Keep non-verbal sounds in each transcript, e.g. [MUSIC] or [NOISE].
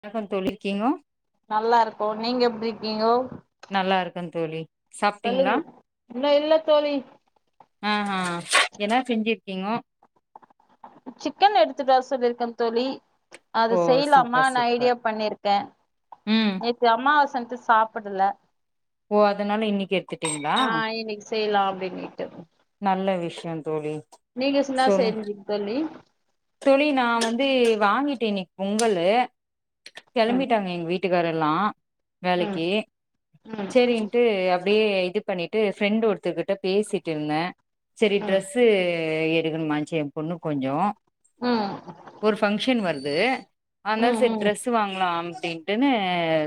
வணக்கம் தோழி இருகிங்கோ நல்லா இருக்கோ நீங்க எப்டி இருக்கீங்கோ நல்லா இருக்கே தோழி சாப்ட்டீங்களா சொல்லுங்க இன்னு இல்ல தோழி ஆஹா என்னா செஞ்சிருக்கீங்கோ சிக்கன் எடுத்துட்டு வர சொல்லிருக்கே தோழி அது ஓ செய்யலாமா சூப்பர் நா சூப்பர் ஐடியா பண்ணிருக்கே ம் எ இது அமாவாசண்டு சாப்படல ஓ அதனால இன்னைக்கு எடுத்துட்டீங்களா ஆ இன்னைக்கு செய்யலா அப்டின்னிட்டு நல்ல விஷயந் தோழி நீங்க சொன்னா சொல்லு சேரிங்க தோழி தோழி நா வந்து வாங்கிட்டேனே பொங்கலு ம் கெளம்பிட்டாங்க எங்க வீட் ட்டிக்காரல்லா ம் வேலைக்கி ம் சேரின்ட்டு அப்டியே இது பண்ணிட்டு ஃப்ரெண்ட் ஒருத்துக்கிட்ட பேசிட்டு இருந்தே சேரி ம் ட்ரெஸ் இது எடுக்கணுமா சேம் பொண்ணு கொஞ்சோ ம் ஒரு பங்க்ஷன் வருது ஆனா ம் சே ம் டிரெஸ் வாங்கலா அப்டின்னுட்டுனு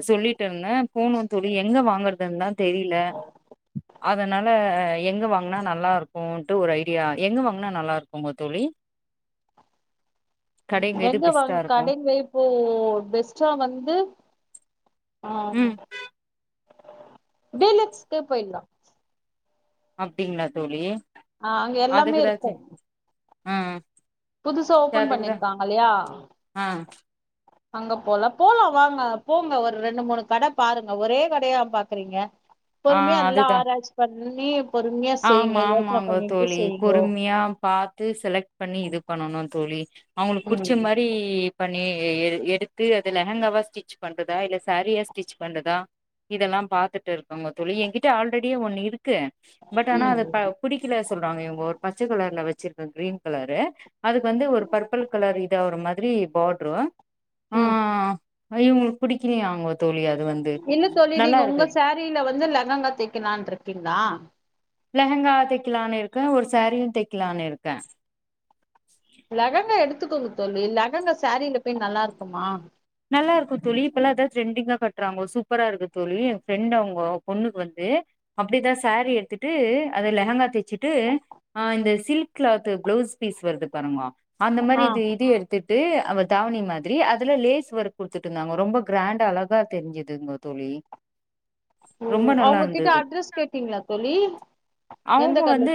சொல்லிட்டு இருந்தே போனு தோழி எ எங்க வாங்குறதுன் தா தெரில அதனால எங்க வாங் ன்னா நல்லா இருக்குட்டு ஒரு ஐடியா எங்க வாங்கனா நல்லா இருக்குங்க தோழி கடைங்க எது எங்க வாங்க பெஸ்ட்டா இருக்கு கடைலையே ஓ பெஸ்டா வந்து ஆ ம் டீலக்ஸ்கே போயிலா அப்டிங்களா தோழி ஆ அங்க எல்லாமே அதுக்குதா இருக்கு சே ஆ ஆ புதுசா ஓபன் பண்ணிருக்காங்க இல்லையா ஆ அங்க போலம் போலா வாங்க போங்க ஒரு ரெண்டு மூணு கடை பாருங்க ஒரே கடையா பாக்குறீங்க ஆ பொறுமையா எல்லா அதுதா ஆராய்ச்சி பண்ணி பொறுமையா செய்யுங்க ஆமா யோசன ஆமாங்க பண்ணிட்டு தோழி செய்யுங்கோ பொறுமையா பாத்து செலக்ட் பண்ணி இது பண்ணனு தோழி அவுங்களுக்கு புடிச்ச ம் மாரி எப்டி பண்ணி எடுத்து அத லெஹங்காவா ஸ்டிச் பண்றதா இல்ல சேரியா ஸ்டிச் பண்றதா இதெல்லா பாத்துட்டு இருக்கங்க தோழி என்கிட்ட ஆல்ரெடியே ஒண்ணு இருக்கு பட் ஆனா அத ப ம் புடிக்கல சொல்றாங்க இவங்க ஒரு பச்சை கலர்ல வச்சிருக்க கிரீன் கலரு அது வந்து ஒரு பர்பிள் கலர் இதா ஒரு மாதிரி பாட்ரூ ம் அது இவுங்களுக்கு பிடிக்கலையாங்க தோழி அது வந்து நல்லா இருக்கு சீல வந்து லகங்கா தைக்கலான் இருக்கீங்களா லெஹங்கா வா தைக்கலானு இருக்கே ஒரு சாரீயு தைக்கலான்னு இருக்கே லெஹங்கா எடுத்துக்கோங்க தோழி லெஹங்கா சாரில போய் நல்லா இருக்குமா நல்லா இருக்கு தோழி இப்பெல்லா அத ட்ரெண்டிங்கா கட்டுறாங்கோ சூப்பரா இருக்கு தோழி என் ஃப்ரெண்ட் அவுங்கோ பொண்ணுக்கு வந்து அப்டிதா சாரி எடுத்துட்டு அதை லெஹங்கா தச்சுட்டு ஆ இந்த சில்க் கிளாத் பிளவுஸ் பீஸ் வருது பாருங்கோ அந்த மாதிரி ஆ இது இதையு எடுத்துட்டு அவ தாவணி மாதிரி அதுல லேசு ஒர்க் குடுத்துட்டு இருந்தாங்க ரொம்ப கிராண்டா அழகா தெரிஞ்சதுங்க தோழி ஓ ரொம்ப நல்லா அவங்ககிட்ட இருந்தது அட்ரஸ் கேட்டீங்களா தோழி எந்த அவுங்க கட்ல வந்து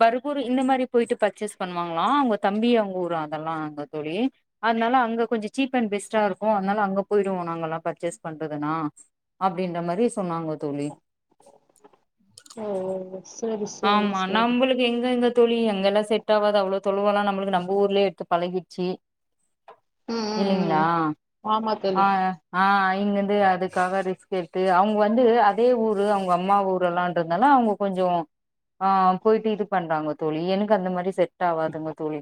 பருப் ஊர் இந்த மாரி போயிட்டு பர்ச்சேஸ் பண்ணுவாங்களா அவுங்க தம்பி அவுங்க ஊர் ஆ அதெல்லா அங்க தோழி அதுனால அங்க கொஞ்ச சீப் அண்ட் பெஸ் எச்சா இருக்கு அதனால அங்க போயிருவோ நாங்க எல்லா பர்ச்சேஸ் பண்றதுனா அப்படின்ற மாதிரி சொன்னாங்க தோழி ஓ ஓ ஓ சரி சரி ஆமா சரி நம்மளுக் எங்க எங்க தோழி அங்கெல்லா செட் ஆவாது அவ்ளோ தொலுவ எல்லா நம்மளுக்கு நம் ஊர்லேய எடுத்து பழகிருச்சு ம் ம் இல்லிங்களா ம் ஆமா தோழி ஆ ஆ இங்கிருந்து அதுக்காக கேட்டு அவுங்க வந்து அதே ஊரு அவுங்க அம்மா ஊருல்லான்றதுனால அவுங்க கொஞ்ச ஆ போயிட்டு இது பண்றாங்க தோழி எனக்கு அந்த மாரி செட் டாவா துங்க தோழி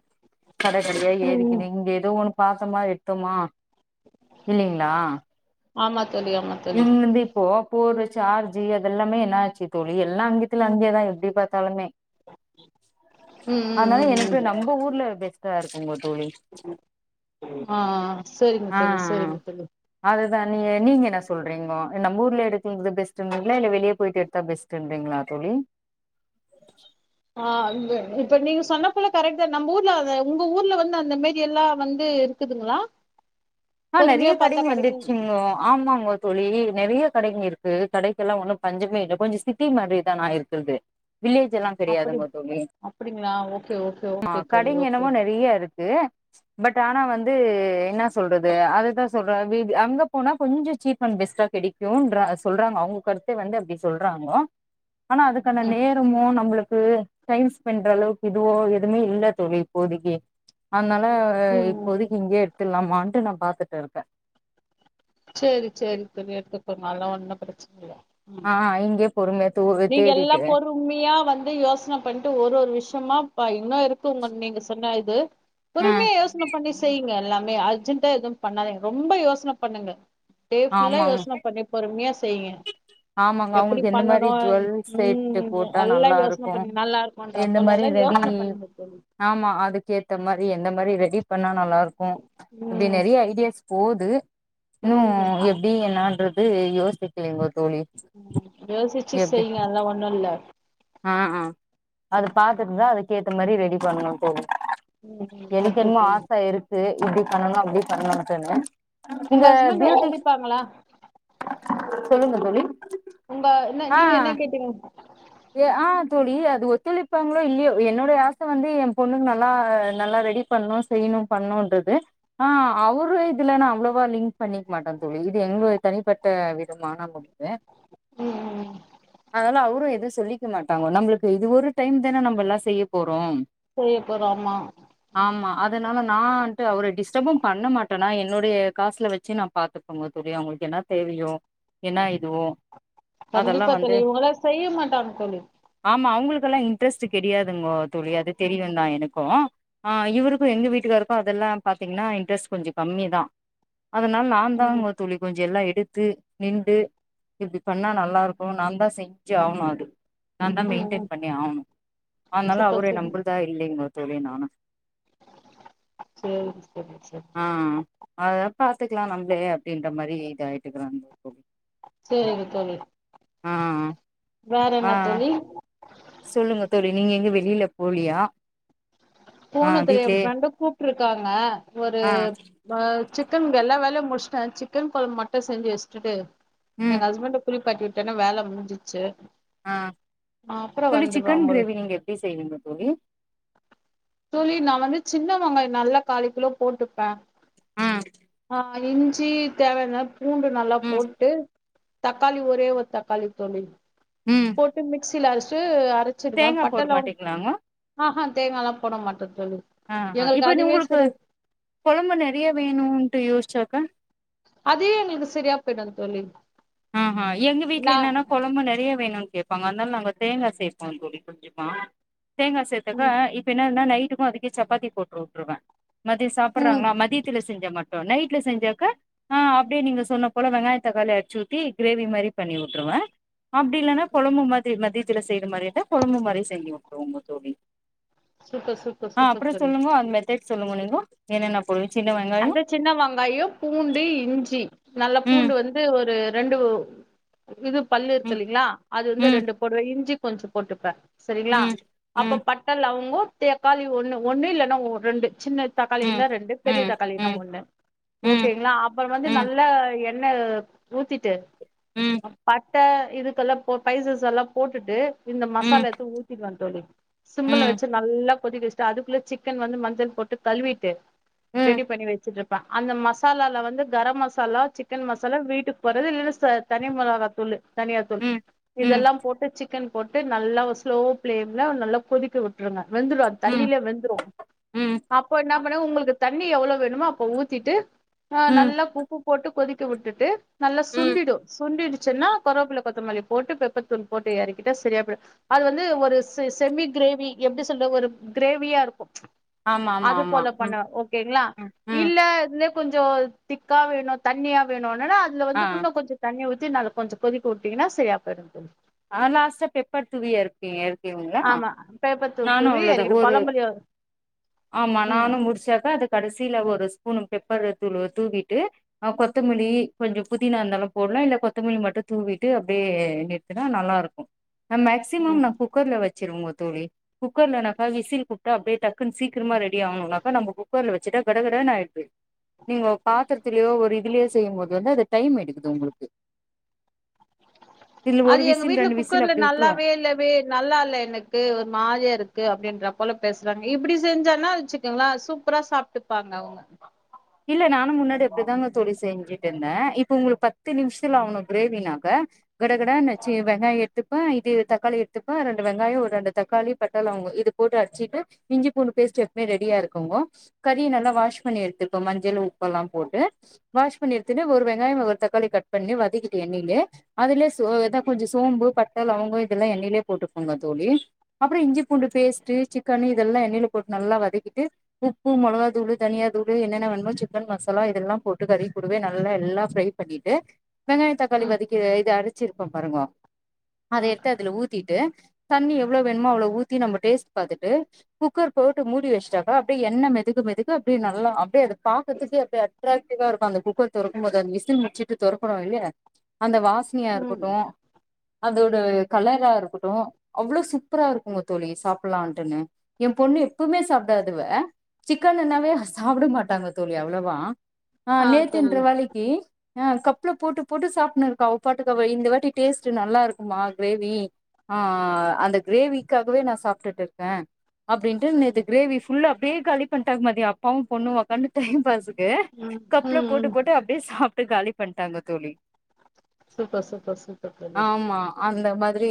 கடைக்கடையா ம் ம் ஏரிக்கினு இங்க ஏதோ ஒண்ணு பாத்தமா எடுத் தோமா இல்லிங்களா ஆமா தோழி ஆமா தோழி இவுங்க வந்து இப்போ போடுர சார்ஜி அதெல்லாமே என்னாச்சு தோழி எல்லா அங்கேத்துல அங்கேயே தா எப்டி பாத்தாலுமே ம் ம் அதுனால ம் எனக்கு நம்ப ஊர்ல பெஸ்ட்டா இருக்குங்கோ தோழி ஆ ஆ செரிங்க ஆ தோழி ஆ செரிங்க தோழி அதுதா நீங்க நீங்க என்ன சொல்றீங்கோ நம் ஊர்லே எடுக்குங்றது பெஸ்ட்டுங்றீங்களா இல்ல வெளிய போய்ட்டு எட்த்தா பெஸ்ட்டுங் றீங்களா தோழி ஆ இங்க இப்ப நீங்க சொன்ன போல கரெக்ட் தா நம்ப ஊர்ல அத உங்க ஊர்ல வந்து அந்த மேரி எல்லா வந்து க்குதுங்களா ஆ நெறைய கடைங்க வந்துர்ச்சிங்கோ ஆமாங்கோ தோழி நெறைய கடைங்க இருக்கு கடைக்கெல்லா ஒன்னு பஞ்சமே இல்ல கொஞ்சோ சிட்டி மாதிரி தா நா இருக்கற்து வில்லேஜெல்லா அப்படி கெடையாதுங்கோ தோழி அப்படிங்களா ஓகே ஓகே மா ஓகே தோழி கடைங்க ஓகே என்னமோ நெறியா இருக்கு பட் ஆனா வந்து என்னா சொல்ற து அதுதா சொல்றாங் வீத் அங்க போனா கொஞ்ச சீப் அண் பெஸ்ட்டா கெடைக்குன்ற அ சொல்றாங்க அவுங்க கருத் து வந்து அப்டி சொல்றாங்கோ ஆனா அதுக்கான ம் நே ரமோ நம்பளுக்கு டைம் ஸ்பெண்றளவுக்கு இதுவோ எதுமே இல்ல தோழி இப்போதிக்கி அன்னால ம் ம் இப்போதிக்கு இங்யே எட்த்துர்லாமான்ட்டு நா பாத்துட்டுருக்கே சேரி சேரி தோழி எடுத்துக்கோங்க அதல்லா ஒன்னு பிரச்சன இல்ல ஆ இங்யே பொறுமையா தூர் நீங் எல்லா பொறு மையா வந்து யோஸ்ன பண்ட்டு ஒரு ஒரு விஷ்யமா பா இன்னு இருக்கு உங்க நீங்க சொன்ன இது ஆ பொறுமையா யோஸ்ன பண்ணி செய்ங்க எல்லாமே அர்ஜென்ட்டா எது பண்ணாதிங் ரொம்ப யோஸ்ன பண்ணுங்க டே ஃபுல்லா ஆமாங்க யோஸ்ன பண்ணி பொறுமையா செய்ங்க ஆமாங்க எப்பிடி அவங்களுக்கு எந்த பண்ணனு மாரி ம் ஜுவல் செட்டு ம் போட்டா எல்லா நல்லா யோஸ்ன இருக்கு பண்ணு நல்லாருக்குன்ற எந்த அப்போ மாரி நல்லா ரெடி யோசன பண்ணுங்க தோழி ஆமா அதுக்கேத்த மாரி எந்த மாரி ரெடி பண்ணா நல்லாருக்கு இப்டி ம் நெறியா ஐடியாஸ் போது இன்னு ம் அ எப்டி என்னான்றது யோசிக்கலீங்கோ தோழி ம் யோசிச்சி எப்டி செய்ங்க அல்லா ஒண்ணுல்ல ஆ அ அத பாத்துட்டுதா அதுக்கேத்த மாரி ரெடி பண்ணு தோழி ம் ம் எனிக் ஓகே என்மோ தோழி ஆச இருக்கு இப்டி பண்ணனு அப்டி பண்ணனுன்ட்டுனு இங்க உங்க ஹஸ்பண்ட் ப்யூட்டிஸ் ஒத்துழைப்பாங்களா சொல்லுங்க தோழி உங்கா என்ன நீங்க என்ன கேட்டீங்க எ ஆ தோழி அது ஒத்துழைப்பாங்ளோ இல்லியோ என்னோடைய ஆச வந்து எம்பொண்ணுங்கல்லா நல்லா ரெடி பண்ணு செய்யணு பண்ணுன்றது ஆ அவுரு இதுல நா அவ்ளவா லிங்க் பண்ணிக் மாட்ட தோழி இது எங்களோடைய தனிப்பட்ட விதமான [UNINTELLIGIBLE] ம் ம் அத்னால அவுரு எது சொல்லிக்க மாட்டாங்கோ நம்ளுக்கு இது ஒரு டைம் தான நம்பல்லா செய்யப் போறோம் செய்ய போறோ ஆமா ஆமா அதனால நா வந்ட்டு அவுர டிஸ்டப்பு பண்ண மாட்ட நா என்னுடைய காஸ்ல வெச்சு நா பாத்துக் குவே தோழி அவுங்களுக் என்னா தேவையோ என்னா இதுவோ அதெல்லா கண்டிப்பா வந்து தோழி இவுங்கல்லா செய்ய மாட்டாங் தோழி ஆமா அவுங்குளுக்கெல்லா இன்ட்ரஸ்ட்டு கெடியாதுங்கோ தோழி அது தெரியுந்தா எனக்கு ஆ இவுருக்கு எங்க வீட்டுக்காருக்கு அதெல்லா பாத்தீங்ன்னா இன்ட்ரஸ்ட் கொஞ்சோ கம்மிதா அதனால் ம் நாந்தாங்கோ தோழி கொஞ்ச எல்லா எடுத்து நின்டு இப்டி பண்ணா நல்லாருக்கு நாந்தா செஞ்சு ஆவ்ணு அத் நாந்தா ம் ம் மெய்ன்டென் பண்ணி ஆவ்ணு அன்னால சூப்பர் அவுர சூப்பர் நம்புல்தா இல்லீங்கோ தோழி நானு சேரி சேரி சேரி ஆ அதெலா பாத்துக்கலா நம்ப்ளே அப்டின்ற மாரி இதாயிட்டுக்கறங் தோழி சேரி தோழி ஆ வேற ஆ என்ன தோழி சொல்லுங்க தோழி நீங்க எங்க வெளில போலியா ஆ போனு தோழி எ வீட்லயே ஃப்ரெண்டு கூப்ட்ருக்காங்க ஒரு ஆ அ சிக்கன் எல்லா வேலயு முஷ்ட்ட சிக்கன் கொழம்பு மட்டு செஞ்சு வச்டுடு எங்க ம் ஹஸ்பண்ட குளிப்பாட்டி விட்டன்னா வேல முடிஞ்சிச்சு ஆ அப்றோ தோழி சிக்கன் வந்துருவாங்க கிரேவி நீங்க எப்டி செய்வீங்க தோழி தோழி நா வந்து சின்னவங்காயோ நல்லா காலுக்கிலோ போட்டுப்ப ம் அ இஞ்சி தேவனா பூண்டு நல்லா போட்டு தக்காளி ஒரே ஒரு தக்காளி தோழி போட்டு மிக்சில அரச்ட்டு அரச் சிருவ தேங்கா பட்ட போட லவங் மாட்டீங்களாங்க அஹா தேங்காலா போட மாட்ட தோழி அ அ எங்களுக்கு இப்ப நீ அதுவே உங்களுக்கு சரி கொழம்பு நெறையா வேணுன்ட்டு யோசிச்சாக்கா அதே எங்களுக்கு சரியா போய்டு தோழி ம்ஹூ எங்க வீட்ல நா என்னனா கொழம்பு நெறைய வேணுனு கேப்பாங்க அதனால நாங்க தேங்கா சேப்போ தோழி கொஞ்சமா தேங்கா சேத்தக்க ம் இப்ப என்னன்னா நைட்டுக்கு அதுக்கே சப்பாத்தி போட்டு உட்ருவ மதிய ம் சாப்பட்றாங்களா மதியத்துல செஞ்ச மட் நைட்ல செஞ்சாக்கா ஆ அப்டே நீங்க சொன்ன போல வெங்காய தக்காளி அட்ச்சு ஊத் தி கிரேவி மாரி பண்ணி உட்ருவ அப்டி இல்லனா கொழம்பு மாதி மதியத்துல செய்ற மாரி இந்தா கொழம்பு மாரி செய்விங்கோ ரொம்ப தோழி சூப்பர் சூப்பர் ஆஹ் சூப்பர் அப்றோ தோழி சொல்லுங்க அது தேட் சொல்லுங்க நீங்கோ என்னென்ன போடுவீ சின்ன வெங்காயோ அந்த சின்ன வங்காயோ பூண்டு இஞ்சி நல்ல ம் பூண்டு வந்து ஒரு ரெண்டு இது பல்லு ம் இருக்குல்லிங்களா அது வந்து ம் ரெண்டு போடுவ இஞ்சி கொஞ்ச போட்டுப்ப சரிங்களா ம் அப்ப ம் பட்ட லவங்கோ தேக்காளி ஒண்ணு ஒண்ணு இல்லன்னா ரெண்டு சின்ன தக்காளின்னா ம் ரெண்டு பெரிய ம் தக்காளின்னா ம் ஒன்னு ம் ஓகேங்களா அப்பறோ வந்து ம் நல்லா எண்ணல் ஊத்திட்டு ம் பட் ட இதுக்கெல்லா போ பைசஸ் எல்லா போட்டுட்டு இந்த ம் மசாலா எத்து ஊத்திடுவ தோழி ம் சிம்முல ம் வச்சு நல்லா கொதிக்க ச்ச அதுக்குள்ள சிக்கன் வந்து மஞ்சள் போட்டு கழுவிட்டு ரெடி பண்ணி வச்சிட்ருப் ப அந்த மசாலால வந்து கரம் மசாலா சிக்கன் மசாலா வீட்டுக்கு போறது இல்ல ச தனி மொளகாத்தூளு தனியாத்தூள் ம் ம் இதெல்லா போட்டு சிக்கன் போட்டு நல்லா ஸ்லோ ஃப்ளேம்ல நல்லா கொதிக்க விட்டுருங்க வெந்துரு அது ம் தண்ணில வெந்துரு ம் ம் அப்போ என்ன பண்ணுங்க உங்களுக்கு தண்ணி எவ்ளோ வேணுமோ அப்ப ஊத்திட்டு ஆ நல்லா உப்பு போட்டு கொதிக்க விட்டுட்டு நல்லா ம் சுண்டிடூ சுண்டிடுச்சுன்னா கருவேப்பல கொத்தமல்லிய போட்டு பெப்பர் தூளு போட்டு எறக்கிட்டா சரியா போய்ரு அது வந்து ஒரு செ செமி கிரேவி எப்டி சொல்ல ஒரு கிரேவியா இருக்கூ ஆமா ஆமா அது ஆமா போல ம் பண்ணுவ ஓ ங்லா ம் ம் இல்ல இதுலே கொஞ்சோ திக்கா வேணு தண்ணியா வேணுன்னனா அதுல ஆ வந்து குன்ன கொஞ்சோ தண்ணி ஊத்தி நல்ல கொஞ்சோ கொதிக்க உட்டிங்கன்னா சரியா போய்ரு தோழி ஆ லாஸ்ட்டா பெப்பர் தூவி எறக் எறக்குவீங்களா ஆமா பேப்பர் தூள் நானு தூவி அவ்ளோதா எறக்கிடு ஒரு கொழம்புலயு ஆமா ம் நானு முடிச்சாக்கா அது கடசீல ஒரு ஸ்பூனு பெப்பரு தூளு தூவிட்டு அ கொத்தமல்லி கொஞ்சோ புதினா இருந்தாலு போட்லா இல்ல கொத்தமல்லி மட்டு தூவிட்டு அப்டே நிற்த் இதா நல்லாருக்கு நா ம் மேக்சிமம் நா குக்கர்ல வச்சுருவங்க தோழி குக்கர்லனாக்கா விசில் குட்டா அப்பிடியே டக்குனு சீக்கிரமா ரெடி ஆகணும்னாக்கா நம்ம குக்கர்ல வச்சிட்டா கடகடனு ஆயிடுது நீங்கோ பாத்துரத்துலயோ ஒரு இதுலயோ செய்யும் போது வந்து அது டைம் எடுக்குது உங்களுக்கு இதுல ஒரு அது எங்க விசில் வீட்டுல ரெண்டு விசில் குக்கர்ல அப்டி விட்டுருவ நல்லாவே இல்ல வே நல்லா இல்ல எனக்கு ஒரு மாரியா இருக்கு அப்பிடின்றா போல பேசுறாங்க இப்பிடி செஞ்சன்னா வச்சுக்கோங்க சூப்பரா சாப் டுப்பாங்க அவுங் இல்ல நானும் முன்னாடி அப்பிடிதாங்க தோழி செஞ்சேன் இருந்தேன் இப்ப உங்களுக்கு பத்து நிம்ஷுத்ல அவனுக்கு கிரேவினாக்க கடகடன்னு வச்சி வெங்காயம் எத்துப்பேன் இது தக்காளி எடுத்துப்பேன் ரெண்டு வெங்காயம் ஒரு ரெண்டு தக்காளி பட்ட லவங்கோம் இது போட்டு அடிச்சிட்டு இஞ்சி பூண்டு பேஸ்ட் எப்பவுமே ரெடியா இருக்குங்கோ கறிய நல்லா வாஷ் பண்ணி எடுத்து க்கோங்க மஞ்சளு உப்பெல்லாம் போட்டு வாஷ் பண்ணி எடுத்துன்டு ஒரு வெங்காயம் ஒரு தக்காளி கட் பண்ணி வதக்கிட்டு எண்ணையிலே அதுலயே சோ எதா கொஞ்சோம் சோம்பு பட்ட லவங்கம் இதெல்லாம் எண்ணையிலே போட்டுக்கோங்க தோழி அப்புறம் இஞ்சி பூண்டு பேஸ்ட்டு சிக்கனு இதெல்லாம் எண்ணெய்யில போட்டு நல்லா வதக்கிட்டு உப்பு மொளகாதூளு தனியாதூள் வந்து என்னென்ன வேணுமோ சிக்கன் மசாலா இதெல்லாம் போட்டு கறி கூடவ நல்லா எல்லா ஃப்ரை பண்ணிட்டு வெங்காய தக்காளி ம் வதக்கி இது அரச்சுருப்போ பாருங்கோ அத ம் எடுத்து அதுல ஊத் திட்டு தண்ணி எவ்ளோ வேணுமோ அவ்ளோ ஊத்தி நம்ம டேஸ்ட் பாத்துட்டு குக்கர் போட்டு மூடி வச்சட்டாக்க அப்டியே எண்ணெ மெதக்க மெதக்க அப்டியே நல்லா அப்டியே அத பாக்றதுக்கெ அப்டியே அட்ர்ராடிவா இருக்கும் அந்த குக்கர் தொறக்கும்போது அந்த விசில் முடிச்சுட்டு தொறக்றொ இல்லைய அந்த வாஸ்னயா ம் இருக்கட்டு அதோட கலரா இருக்கட்டு அவ்ளோ சூப்பரா இருக்குங்க தோழி சாப்ட்லான்ட்டுன்னு என் பொண்ணு எப்பவுமே சாப்பிடாதவ சிக்கன் ன்னாவே சாப்ட மா ட்டாங்க தோழி அவ்ளோவா ஆ நேத்துன்ற வேலிக்கி ஆ கப்ல போட்டு போட்டு சாப்ட்னு இருக்கா அவபாட்டுக்கு இந்த வாட்டி டேஸ்ட் நல்லா இருக்குமா கிரேவி ஆ ஆ அந்த கிரேவிக்காகவே நான் சாப்ட்டுட்டு இருப்பே அப்டின்ட்டு நேத்து கிரேவி ஃபுல்லா அப்டியே காலிபண்ணிட்டா மதியொ அப்பாவும் பொண்ணும் ஒக்காந்து டைம் பாஸ்க்கு ம் கப்ல ம் போட்டு ம் போட்டு அப்டியே சாப்பிட்டு காலி பண்ட்டாங்க தோழி சூப்பர் சூப்பர் சூப்பர் தோழி ஆமா அந்த மாதிரி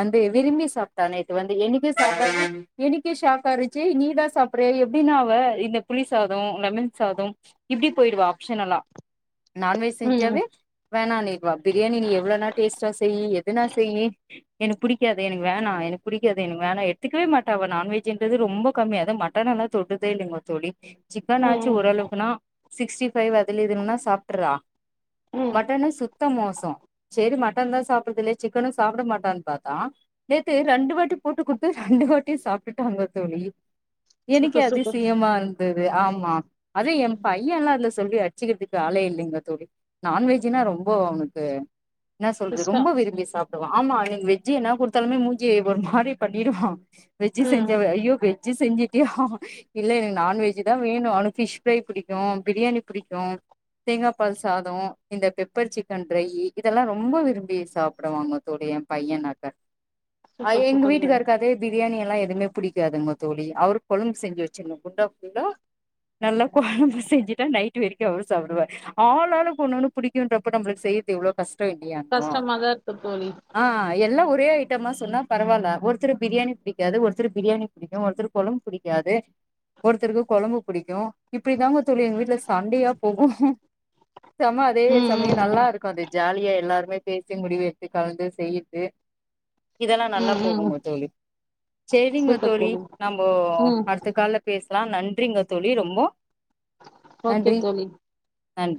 வந்து விரும்பி சாப்ட்டான் நேத்து வந்து என்னிக்கும் சாப்டாதவன் எனக்கே ஷாக்கா இருந்ச்சி நீ தா சாப்பிடுறியா எப்படின்னா அவ இந்த புலிசா தோம் லெமன் சாதோம் இப்பிடி போயிடுவா ஆப்ஷன்ல்லா நான்வெஜ் ம் செஞ்சாவே வேண்ணா நிப்பா பிரியாணி நீ எவ்வளோனா டேஸ்ட்டா செய்யி எதுனா செய்யி எனக்கு புடிக்காது எனக்கு வேணா எனக்கு புடிக்காது எனக்கு வேணா எடுத்துக்கவே மாட்டா அவ நான்வெஜ்ன்றது ரொம்ப கம்மியாதான் மட் ட்டன் ஒன்னு தொட்டதே இல்லைங்கோ தோழி சிக்கனாச்சு ம் ஓரளவுக்குன்னா சிக்ஸ்டி ஃபைவ் அதுல எதுலன்னா சாப்ட்டுறா ம் மட்டனு சுத்த மோசொ சேரி மட்டன் தான் சாப்டறதுல்லையே சிக்கனு சாப்ட மட்டான்னு பாத்தா நேத்து ரெண்டு வாட்டி போட்டு குடுத்து ரெண்டு வாட்டியு சாப்ட்டுட்டாங்க தோழி எனக்கெ சூப்பர் சூப்பர் அதிசயமா இருந்தது ஆமா அது ஏ பையன்ல்லா அதுல சா தோழி அட்ச்சிக்கிறதுக்கு ஆளே இல்லைங்க தோழி நான்வெஜ்ன்னா ரொம்ப அவனுக்கு என்ன சொல்து கஷ்டோ ரொம்ப விரும்பி சாப் டுவான் ஆமா நீங்க வெஜ்ஜி என்ன குடுத்தாலமே மூஞ்சி ஒரு மாரி பண்ணிறுவான வெஜ்ஜி ம் செஞ்சவெ ஐயோ வெஜ் வெஜ்ஜி செஞ்சிட்டியா இல்ல நான்வெஜ்ஜி தா வேணு அவனுக்கு ஃபிஷ் ஃபரை பிடிக்கு பிரியாணி பிடிக்கு தேங்காப் பால் சாதொ இந்த பெப்பர் சிக்கன் ட்ரையி இதெல்லா ரொம்ப விரும்பி சாப்பிடுவாங்க தோழி என் பைய நாட்ட அ சூப்பர் எங் சூப்பர் வீட்டுகாருக்கதே பிரியாணி எல்லா எதுமே புடிக்காதுங்க தோலி அவருக் கொழும்பு செஞ்சு வெச்சின்னு குண்டா ஃபுல்லா நல்லா கொழம்பு செஞ்சுட்டா நைட் வெரிக்கு அவுரு சாப்டுவார் ஆளாளுக் ஒன்னொன்னு புடிக்குன்றப்ப நம்பளுக்கு செய்யற்து எவ்ளோ கஸ் டோ இல்லியாங்கோ கஷ்டமாதா இருக்கு தோழி ஆ எல்லா ம் ஒரே ஐட்டமா சொன்னா பரவால்ல ஒருத்தருக் பிரியாணி புடிக்காது ஒருத்தருக் பிரியாணி புடிக்கு ஒருத்தருக் கொழம்ப் புடிக்காது ஒருத்தருக்கு கொழம்பு புடிக்கு இப்படி தாங்க தோழி எங்க வீட்ல சண்டையா போகு சம அதே ம் சமயு ம் நல்லா இருக்கு அது ஜாலியா எல்லாருமே பேசி முடிவெட்த்து கலந்து செய்யிற்த்து இதெல்லா நல்லா ம் ம் போகுங்க தோழி செரிங்க தோழி நம்போ ம் அடுத்த கால்ல பேசலா நன்றிங்க தோழி ரொம்போ ஓகே நன்றி தோழி நன்றி